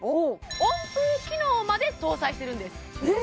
温風機能まで搭載してるんですえ